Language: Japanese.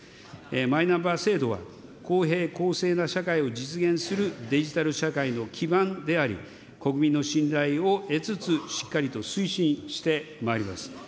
マイナンバー制度は公平、公正な社会を実現するデジタル社会の基盤であり、国民の信頼を得つつ、しっかりと推進してまいります。